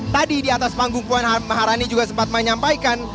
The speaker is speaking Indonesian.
tadi di atas panggung puan maharani juga sempat menyampaikan